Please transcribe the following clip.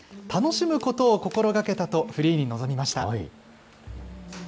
楽しむことを心がけたと、フリーに臨みました。